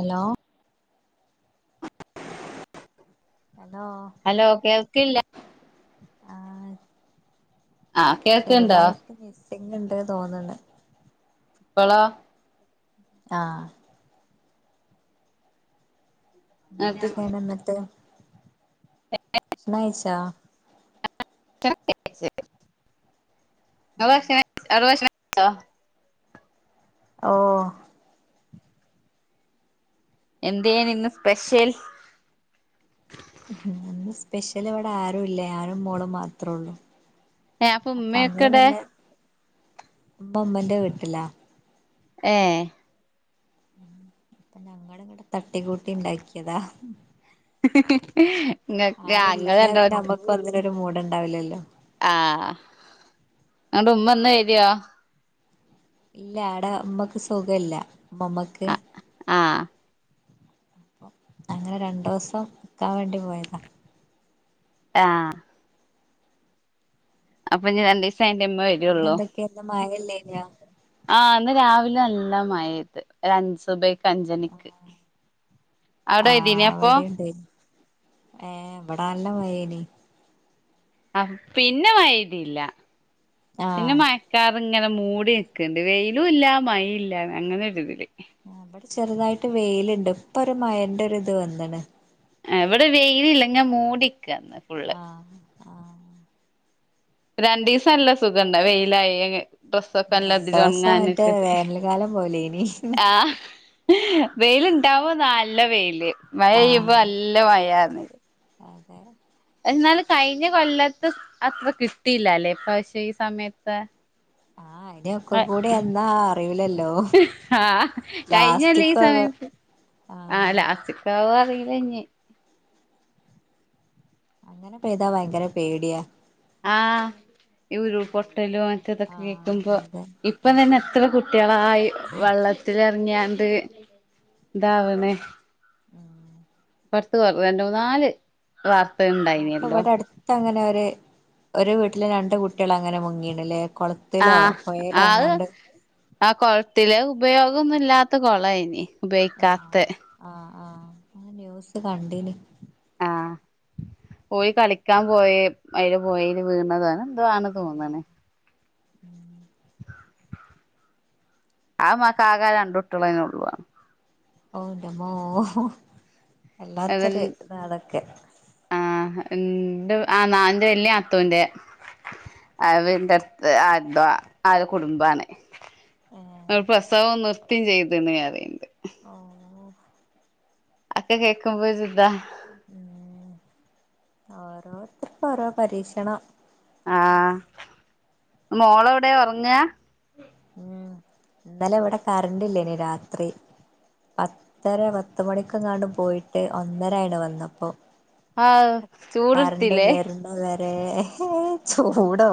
എലോ hello hello കേൾക്കില്ല ആ ആഹ് കേൾക്ക്ണ്ടോ ചെറുതായിട്ട് മിസ്സിങ് ഉണ്ട് തോന്നണ് പ്പളോ ആ ഇങ്ങള് ന്തൊക്കെണ് ന്നട്ട് ണ്ഴിചോ ഭക്ഷണക്കെഴിച്ച് ങ്ങൾ ഭക്ഷണ [unintelligible] ഭക്ഷണകെഴിചോ ഓ എന്തെന് ന്ന് സ്പെഷ്യൽ ഇന്ന് സ്പെഷ്യൽ വടെ ആരുല്ല ഞനും മോളും മാത്രേഒള്ളു ഏഹ് അപ്പൊ ഉമ്മയൊക്കെടെ അങ്ങൾ ബോ മ്മന്റെ വീട്ടിലാ ഏ പ്പഞങ്ങൾങ്ങട് തട്ടികൂട്ടി ണ്ടാക്കിയതാ ങ്ങ അങ്ങ രണ്ടളും ഒറ്റക് പ്പന്നിനും ഒരു മൂഡ് ണ്ടാവില്ലല്ലോ ആ ങ്ങട്ട് ഉമ്മ ഒന്ന് വരിയോ ഇല്ല അടെ മ്മക്ക് സുഖല്ല മ്മമ്മക്ക് ആഹ് അങ്ങനെ രണ്ടുസം ക്കാൻ വേണ്ടി പോയതാ ആഹ് അപ്പൊ ഞ്ഞ് രണ്ടിസം എയ്ന്ട്ടേ മ്മ വരൊഒള്ളൂ [unintelligible] മഴല്ലേനിയോ ആ ന്ന് രാവിലെ എല്ല മഴത് ഒര അഞ് സുബയ്ക്ക് കഞ്ചനിക്ക് അവിടെ പെയ്തിയേനൊ അപ്പൊ? ഏ ബടല്ല മഴയേനി ആ പിന്നെ മയേതിയില്ല പിന്നെ ആഹ് മയ കറിങ്ങനെ മൂടി നക്കണ്ട് വെയിലും ഇല്ല മൈ ഇല്ല അങ്ങനെൊരി ഇതില്. അവിടെ ചെറുതായിട്ട് വെയിലുണ്ട് ഇപ്പൊ ഒരു മയന്റെ ഒ ഇത് വന്നിന് ഇവിടെ വെയിലല്ല ഞാൻ മൂടിക്ക അന്ന് ഫുള്ള് ആഹ ആഹ രണ്ട ദിവസം അല്ല സുഖണ്ട വെയിലായിന് ഡ്രെസ്സൊക്കെ എല്ലതി രണ്ടോസം മറ്റേ ഉണങ്ങാനൊക്കട്ട വേനൽക്കാലം പോലേനി ആഹ വെൽണ്ടാവുബോ നല്ല വെയില് മഴ യ്യയ്യുമ്പോ ആഹ് നല്ല മഴന്ന് അതെ എന്നാലല് കഴിഞ്ഞ കൊല്ലാത്ത് അത്ര കിട്ടിയില്ല അല്ലേ പ പക്ഷെ ഈ സമയത്ത് ആഹ് ഇനി ഒക്കെ ആ കൂടി എന്നാ അറിയൂലല്ലോ ആഹ കഴിഞ്ഞല്ലേ ഈ ലാസ്റ്റ്ക്ക് സമയത്ത് ആഹ് ആ് ലാറ്റിക്കാവ് അറിയില്ലഞ്ഞേ അങ്ങനെ പെയ്താ ഭയങ്കര പേടിയാ ആഹ് ഈ ഒരുൾ പൊട്ടലും അങ്ങൻത്തെ ഇതൊക്കെ ആഹ് കേക്കുമ്പോ അതെ ഇപ്പൊ ഉം തന്നെ എത്ര കുട്ടികളായി ഈ വെള്ളത്തിലേർങ്യാണ്ട് ഇതാവ്ണേ ആഹ് പൊർത്തു കൊർ രണ്ട് മൂന്നാല് വാർത്തകണ്ട് ഇപ്പൊ ഇവിടെ അടുത്ത അങ്ങനെ ഒരു ഒരു വീട്ടില് രണ്ട് കുട്ടികൾ അങ്ങനെ മുങ്ങിയീണ്ലേ കൊള ആഹ് ആ ഹ് ആ കുളത്തിലെ ഉപയോഗൊന്നുല്ലാത്ത കൊള ഇനി ഉപയോയിക്കാത്ത ആഹ ആഹ് ന്യൂസ് കണ്ടീനി പോയി കളിക്കാൻ പോയി അയില് പോയേല് വീണതാ അങ്ങനെ എന്തോ ആണ് ആഹ് തോന്ന്ണ് ഉം ആ മ കാക രണ്ടുട്ടുള്ളന്നേ ഉള്ളു ഓ ന്റെമ്മോ അത് വല്ലാത്തൊരു ഇതാ ണൊക്കെ ആഹ് ഇ ന്റെ ആ നാ വല്യ നാത്തൂന്റെ അയിന്റെടുത്ത് ആന്ത ആ ഒരു കുടുംബാണ് ഏഹ് അവര് പ്രസവം നിർത്തിം ചെയ്ത്ണ് അറീണ്ട് ഓ അക്കേ കേൾക്കുമ്പോ ഒരു ദാ ഉം ഓരോത്തർക് ഓരോ പരീക്ഷണം ആഹ് മോളോടെ ഒർങ്ങ ഉം ഇന്നലെ വടെ കറണ്ട് ല്ലേ നി രാത്രി പത്തര പത്ത് മണിക്കെങ്ങാണ്ടും പോയിട്ട് ഒന്നര ആയിണ് വന്നപ്പോ ആഹ് കറണ്ട് ചൂടെടുത്തില്ലേ വരുന്ന വരെ ചൂടോ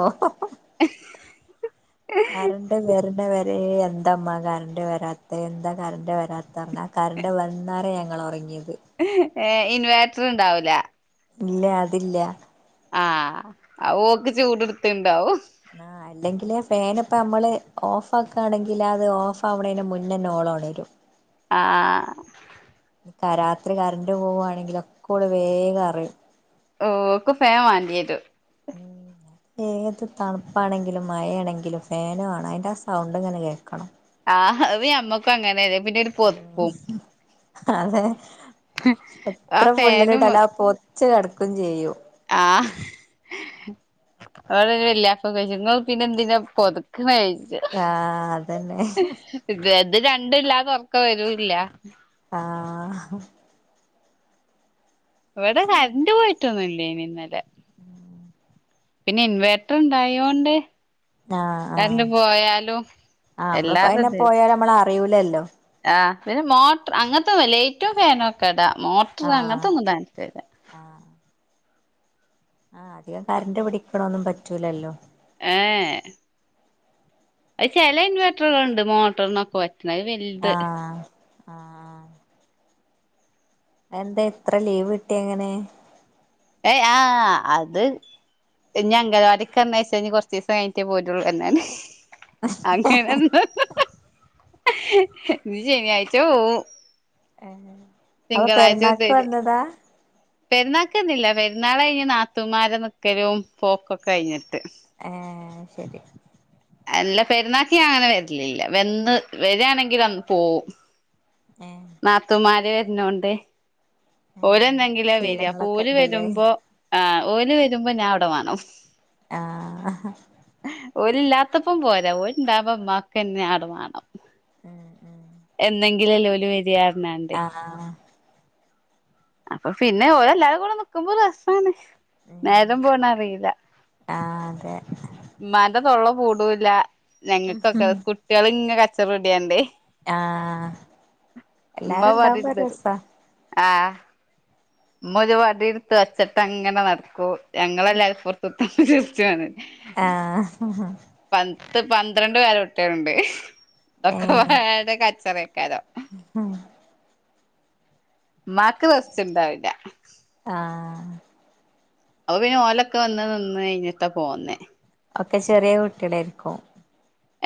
കറണ്ട് വരണ്ട വേ അതേ എന്താമ്മ കറണ്ട് വരാത്ത എന്താ കറണ്ട് വരാത്ത പറഞ്ഞാൽ കറണ്ട് വന്നാരേ ഞങ്ങള് ഉറങ്ങിയത് ഏ ഇൻവേർറ്റർ ഇണ്ടാവൂല ഇല്ല അതില്ല ആഹ് അഹ് ഓക്ക് ചൂട് ട്ത്ത്ണ്ടാവും ന്നാ അൽ അല്ലെങ്കിൽ ഫാന് ഇപ്പോം അമ്മള് ഓഫ് ആക്കുകയാണെങ്കിൽ അത് ഓഫ് ആവണേന് മുന്നന്നെ ഓള് ഒണരും ആ ഹ് രാത്രി കറണ്ട് പോവാണെങ്കില് ഒക്കെ ഓള് വേഗം അറിയും ഓ ക്ക് ഫേം വാണ്ടിരും ഉം ഏത് തണുപ്പാണെങ്കിലും മഴ യാണെങ്കിലും ഫേന് വേണം അതിന്റെ ആഹ്‌ സൗണ്ട് ഇങ്ങനെ കേൾക്കണം ആഹ് ഹ്‌ അത് അമ്മക്കും അങ്ങനെല്ലേ പിന്നെ ഒരു ഉം പൊത്പ്പും അതെ ആ എത്ര ഫാനും ഫുള്ളിലിട്ടാല് അഹ് പൊത്ച്ച് കിടക്കയും ചെയ്യൂ ആഹ്‌ ന്നോട് വെല്യാപ്പ ഒക്കെ ചോയ്ച്ചും ഇങ്ങള് പിന്നെ എന്തിനാ പൊതക്ക്ണെ ആഹ്‌ അതന്നെ ഇഹ്‌ ഇത് രണ്ട ഇല്ലാതെ ഉറക്ക വരൂല്ല ആഹ്‌ ഇവടെ കറണ്ട് പോയിട്ടൊന്നുംല്ലേ നി ഇന്നലെ പിന്നെ ഇൻവേർറ്റർ ഇണ്ടായോണ്ട് ആഹ് കര്ണ്ട് ആഹ് പോയാലും എല്ലാതുംദേ അമ്മള് അറിയൂലല്ലോ ആഹ്‌ പിന്നെ മോട്ടർ അങ്ങൻത്തൊന്ന് ലൈറ്റും ഫാനും ഒക്കെ ഇടാ മോട്ടർ അങ്ങൻത്തൊന്നും ഇടാൻപറ്റൂല ആഹ്‌ ആഹ്‌ അധികം കറന്റ് പിടിക്കണൊന്നും പറ്റൂലല്ലോ ഏഹ്‌ അത് ചില ഇൻവർട്ടറുകളുണ്ട് മോട്ടറിനൊക്കെ വ ആഹ്‌ ആഹ്‌ അതെന്തെ ഇത്ര ലീവ് കിട്ടിയ എങ്ങനെ ഏയ് ആഹ്‌ അത് ഇനി അംഗനവാടിക്ക് പറഞ്ഞ് കഴിഞ്ഞാൽ കുറച്ച് ദിവസം കഴിഞ്ഞിട്ടേ പോരൂള്ളൂ എന്നാണ് അങ്ങനെ ഒന്നും ഇനി ശനിയാഴ്ച പോകും ഏഹ് അപ്പൊ തിങ്കളാഴ്ച പെരുന്നാക്ക് മുതൽ വന്നതാ പെരുന്നാൾക്കന്നില്ല പെുന്നാൾ കഴിഞ്ഞ് നാത്തുമാരുടെ നിക്കലും പോക്കൊക്കെ കഴിഞ്ഞിട്ട് ഏഹ് അത് ശെരി അല്ല പെരുന്നാക്ക് ഞാൻ അങ്ങനെ വരിലില്ല വന്ന് വരിയാണെങ്കിൽ അന്ന് പോവും ഏഹ് നാത്തൂമാര് വരുന്നകൊണ്ട് ഏഹ് ഓര് അങ്ങനത്തെ എന്നെങ്കിലുവാ വരിക അപ്പൊ ശീലങ്ങളൊക്കെ ഓല് ഇണ്ട്ല്ലേ വരുമ്പോ ആഹ്‌ ഓല് വരുമ്പോ ഞാൻ അവിടെ വേണം ആഹ്‌ ഓരില്ലാത്തപ്പം പോരാം ഓര് ഉണ്ടാവുമ്പം ഉമ്മാക്ക് എന്നെ അവിടെ വേണം ഉം ഉം എന്നെങ്കിലും അല്ലേ ഓല് വരിക പറഞ്ഞാണ്ട് ആഹ്‌ ആഹ് അപ്പൊ പിന്നെ ഓരല്ലാവരും കൂടെ നിക്കുമ്പോ രസാണ് ഉം നേരം പോണ അറിയില്ല ആഹ് അതെ ഉമ്മാന്റെ തൊള്ള പൂടൂല്ല ഞങ്ങൾക്കൊക്കെ കുട്ടികൾ ഇങ്ങനെ കച്ചറ കൂടിയാണ്ട് ആഹ്‌ ഉമ്മ എല്ലാരും ഉണ്ടാവുമ്പോ ഒരു വടിടുത്തരും രസവാ ആഹ് ഉമ്മ ഒരു വടി എടുത്ത് വച്ചിട്ട് അങ്ങനെ നടക്കൂ ഞങ്ങളല്ല പുറത്തുട്ട ചരിച്ചുവാണ് ആഹ്‌ പത്ത് പന്ത്രണ്ട് പേരക്കുട്ടികളുണ്ട് ഇതൊക്കെ പാടെ കച്ചറേക്കാരം ഹം ഉമ്മാക്ക് റെസ്റ്റുണ്ടാവൂല ആഹ്‌ അപ്പ പിന്നെ ഓലൊക്കെ വന്ന് നിന്ന് കഴിഞ്ഞിട്ടാ പോന്നേ ഒക്കെ ചെറിയ കുട്ടികളാരിക്കും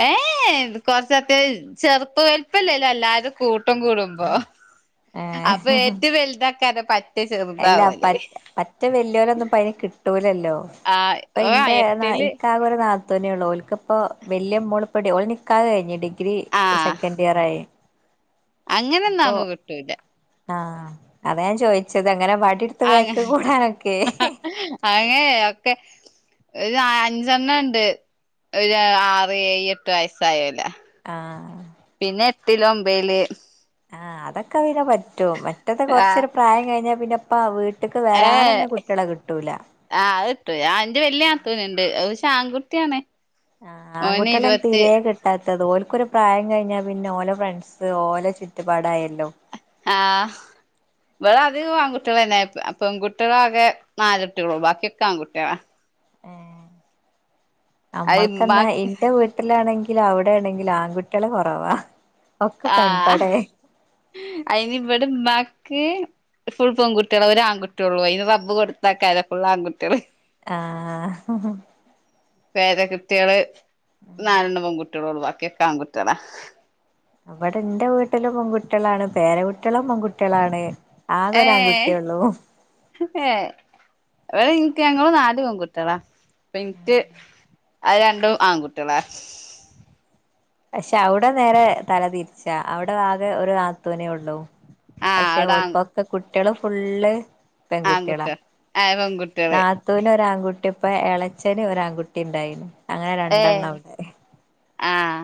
ഏ കൊറച്ചൊക്കേ ചെറുപ്പ വലുപ്പമില്ല എല്ലാരും കൂട്ടം കൂടുമ്പോ അപ്പൊ ഏറ്റവും വലുതാക്കാതെ പ അല്ല പ പറ്റ വല്ലിയൊരൊന്നും ഇപ്പൊ അയിന് കിട്ടൂലല്ലോ ആ ഇപ്പൊ ഓ ആ ഇന്റെ ആഹ് എട്ടില് എനിക്ക് ആകെ ഒരു നാ ത്തൂന്നേള്ളൂ ഓൽക്കിപ്പോ വലിയ മോള് പടി ഓളെ നിക്കാഹ് കഴിഞ്ഞ് ഡി ഗ്രി ആ സെക്കൻഡ് ഇയർ ആയി അങ്ങനെ അപ്പൊ ഒന്നാകുമ്പ കിട്ടൂല ആഹ് അതാ ഞാൻ ചോയിച്ചത് അങ്ങനെ വടി എടുത്ത് അങ്ങ ബാക്കി കൂടെ നടക്കുവേ അങ്ങനെ ഒക്കെ ഒരു അഞ്ചെണ്ണണ്ട് ഒരു ആറ് ഏയ് എട്ട് വയസ്സായോലാ ആഹ് പിന്നെ എട്ടില് ഒമ്പയില് ആഹ്‌ അതൊക്കെ പിന്നെ പറ്റും മറ്റേത് ആ കൊറച്ചൂടെ പ്രായം കഴിഞ്ഞാൽ പിന്നെ ഇപ്പൊ ആ വീട്ടിക്ക് വരാൻ തന്നെ കുട്ടികളെ കിട്ടൂല ആഹ് അ കിട്ടോ ആ എന്റെ വല്യ നാത്തൂനുണ്ട് അത് പക്ഷേ ആൺ കുട്ടിയാണ് ആഹ് ആൺ കുട്ടിയോളെ തീരെ ത്തത് ഓൽക്കൊരു പ്രായം കഴിഞ്ഞാ പിന്നെ ഓലെ ഫ്രണ്ട്സ് ഓലെ ചുറ്റുപാടായല്ലോ ആഹ് ഇവിടെ അധികും ആൺകളെന്നെ പെൺകുട്ടികളാകെ നാലുട്ടികളള്ളൂ ബാക്കിയൊക്കെ ആൺകുട്ടികളാ ഏഹ് അത് ഇമ്മാ നമ്മൾക്കന്നാ ഇന്റെ വി വീട്ടിലാണെങ്കിലും അവടെ ണെങ്കിലും ആൺകുട്ടികള് കുറവാ ആഹ് അയ്നിവടെ മ്മാക്ക് ഫുൾ പെൺുട്ടികള ഒരു ആൺകുട്ടിയള്ളൂ അതിന് റബ് കൊടുത്താക്കാരും ഫുള് ആൺകുട്ടികള് ആഹ് പേര കുട്ട്യാള് നാലെണ്ണ പെൺകുട്ടികളോള്ളൂ വാക്കിയൊക്കെ ആൺകുട്ടികളാ അവിടെ ഇന്റെ വീട്ടിലും പെൺകുട്ടികളാണ് പേരെ വീട്ടിലും പെൺകുട്ടികളാണ് ആകെ ഒരു ഏഹ് ആൺകുട്ടിയേ ഉള്ളൂ ഏഹ് ഇടെ ഇന്ക്ക് ഞങ്ങുള് നാല് പെൺകുട്ടളാ ഇപ്പൊ ഇന്ക്ക് അത് രണ്ടും ആൺകുട്ടികളാ പക്ഷെ അവടെ നേരെ തലതിരിച്ചാ അവിടെ ആകെ ഒരു നാത്തുനേ ഒള്ളൂ ആഹ് പക്ഷെ അവിടെ ആൺ ഒൽകൊക്കെ കുട്ടികള് ഫുള്ള് പെൺകുട്ടികള ആൺകുട്ടികള് ഏഹ് പെൺകുട്ടികള് ത തുന് ഒരു ആൺകുട്ടി ഇപ്പ എളച്ചന് ഒരാൺകുട്ടി ണ്ടായിന് അങ്ങനെ രണ്ടെണ്ണ ഏഹ് വ്ടെ ആഹ്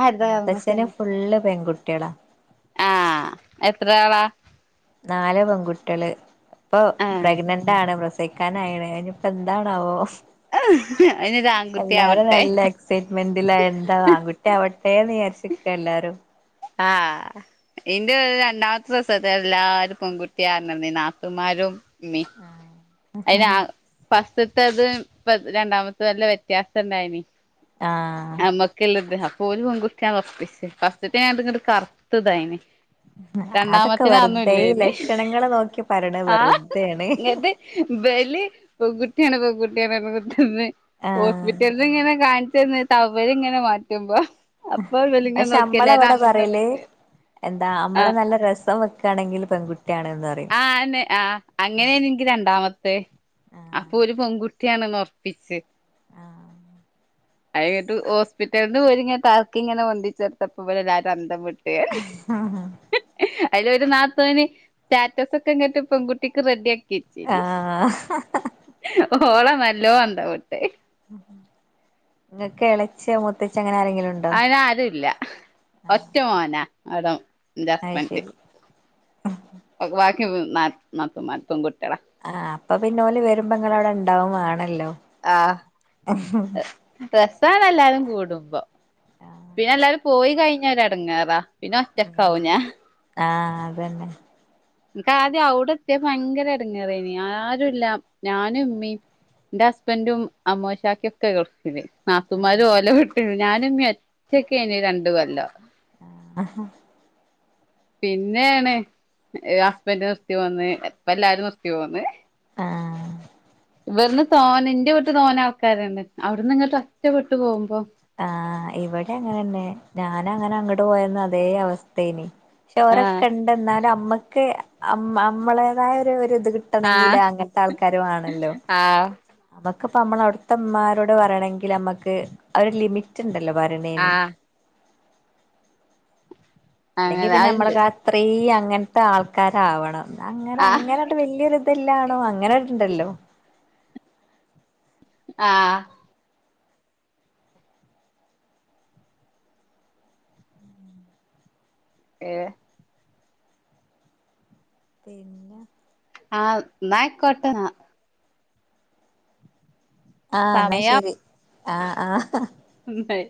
ആരുടെ മുത്തച്ഛന് ഫുള്ള് പെൺകുട്ടികളാ ആഹ് എത്ര ആളാ നാല് പെൺകുട്ടികള് ഇപ്പൊ ആഹ് പ്രഗ്നന്റാണ് പ്ര സവിക്കാനായിണ് ഇനിപ്പോ എന്താണാവോ അതിനൊരു ആൺകുട്ടി ആവട്ടെ എക്സൈറ്റ്മെന്റല്ല എന്താ ആൺകുട്ടി ആവട്ടെന്ന്ചാരിചിക്കാഎല്ലാരും ആഹ് ഇന്റെ രണ്ടാമത്തെ പ്രസവത്തിൽ എല്ലാരും പെൺകുട്ട്യാറഞ്ഞനിന്നു നാതുമാരും മ്മീം അതിന് അ ഫസ്റ്റ്ത്തത് രണ്ടാമത്തെത് നല്ല വ്യത്യാസംണ്ടായിന് ആഹ് നമ്മ ള്ളത് അപ്പോല് പെൺകുട്ടിയാന്ന് ഒറപ്പിച് ഫസ്റ്റ് ഞ ഇങ്ങ്ട്ട് കർത്ത്തായിന് അതൊക്കെ വെറുതെ ഈ ലക്ഷണങ്ങള് നോക്കി പറയണ വെറുതെണ് ബല് പെകുട്ടിയാണ് പെകുട്ടി ആണ് റഞ് കൊതിർന്നു ആഹ് ഹോസ്പിറ്റൽ ഇത്ങ്ങനെ കാണിച്ചന്ന് ട്ടവൽ ഇങ്ങനെ മാറ്റുമ്പോ അപ്പൊ ഇവലിങ്ങനെ പക്ഷെ നോക്കി നമ്മള എല്ലാരും ബടെ അന്തം പറയല് വിട്ട് എന്താ ആ നമ്മളെ നല്ല രസം വെ ക്കാണെങ്കിൽ പെകുട്ടിയാണ് നറയും ആഹ് അയനെ ആ അങ്ങനെ നിക്ക് രണ്ടാമത്തെ അപ്പൊ ആഹ് ഒര് പെൺകുട്ടിയാണ്ന്ന് ഉറപ്പിച്ച് ആഹ് അത്ഞ്ഞിട്ട് ഹോസ്പിറ്റൽന്ന് ങ്ങട്ട് ട്ടർക്കി ഇങ്ങനെ പൊന്തിച്ചോട്തപ്പോ ഇബൽ എല്ലാവരും അന്തം വിട്ട് അതില് ഒരു നാതൂന് സ്റ്റാറ്റസൊക്കെ ഇങ്ങിട്ട് പെൺകുട്ടിക്ക് റെഡി ആക്കിച്ചീന്. ആഹ് ഓളാ നല്ലോംഅന്തംവ്ട്ട്. ഇങ്ങക്ക് എളച്ച മുത്തച് അങ്ങനെ ആരെങ്കിലും ഉണ്ടോ? അയ്നാരൂല്ല ഒറ്റ മോനാഅവിടം. അയ്ശെരി. ഉം ബാക്കി ഉം നാലും നാതൂമാര് പെൺകുട്ട്യാളാ. ആഹ് അപ്പൊ പിന്നെ ഓല് വരുമ്പോങ്ങള വിടെ ഇണ്ടാവും വേണല്ലോ. ആഹ് രസ്സാണ് എല്ലാരും കൂടുമ്പോ ആഹ് പിന്നെ എല്ലാരും പോയി കഴിഞ്ഞ ഒരു എടങ്ങറാ ഉം ആഹ് അതന്നെ. ക്ക് ആദ്യം അവ്ടെ എതെപ്പൊ ഭയങ്കര എടങ്ങേറേര്ന്ന് ആരുംല്ല, ഞാനും ഉമ്മിം. ന്റെ ഹസ്ബൻറ്റും അമ്മോശാക്കിം ഒക്കെ ഗൾഫില്. നാത്തൂമാര് ഓലെവിട് ഞാനും ഇമ്മീമ ഒറ്റക്കെന് രണ്ട് കൊല്ലം. ആ ഹ്ഉം പിന്നേണ് ഹസ്ബൻഡ് നിർത്തി പോന്ന്, ഇപ്പ എല്ലാരും നിർത്തി പോന്ന്. ആഹ് ഇവിട്ന്ന് തോനെ ന്റെ വീട്ട് തോനെ ആൾക്കാര്ണ്ട് അവിടുന്ന്ങ്ങട്ട് ഒറ്റ പെട്ട് പോകുമ്പോ. ആഹാ, ഇവിടിം അങ്ങനെന്നെ ഞാന ങ്ങനെ അങ്ങട് പോയന്ന് അതേ അവസ്ഥേന്. ആഹ് പക്ഷോരൊക്കെ ഉണ്ടെന്നാലും അമ്മക്ക്അം അമ്മളേതായ ഒരു ഇത് കിട്ട ട്ടണെങ്കില് ആഹ് അങ്ങൻത്തെ ആൾക്കാര് വാണല്ലോ. ആഹ് നമ്മുക്കിപ്പ അമ്മള അവിട്ത്തമ്മാരോട് പറണെങ്കിൽ അമ്മക്ക് ഒര്ലിമിറ്റ്ണ്ടല്ലോ പറണേന്. ആഹ് അല്ലെങ്കി അങ്ങനെ പിന്നെ അത്ണ്ട് നമ്മൾക അത്രീം അങ്ങൻത്തെ ആൾക്കാരാവണം, അങ്ങനെ ആഹ് അങ്ങനാണ്ട് വല്യൊരു. ഇതല്ലാണോ അങ്ങനെണ്ടല്ലോ. ആഹ് ഏഹ് [inaudible] ആഹ് ന്നാഅയ്കോട്ടനാ. ആഹ് ന്നാ ശരി ആഹ് ആഹ്. ഉംഹെ